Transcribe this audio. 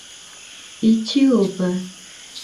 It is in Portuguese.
Itiúba